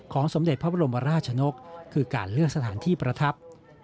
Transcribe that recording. สมเด็จพระบรมราชนกคือการเลื่อนสถานที่ประทับ